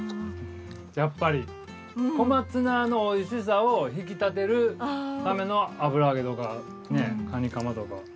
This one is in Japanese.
やっぱり小松菜のおいしさを引き立てるための油揚げとかカニカマとか。